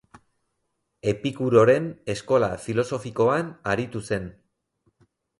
Epikuroren eskola filosofikoan aritu zen.